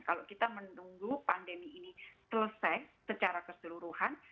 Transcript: kalau kita menunggu pandemi ini selesai secara keseluruhan